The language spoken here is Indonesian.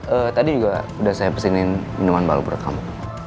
eh tadi juga udah saya pesenin minuman balu buat kamu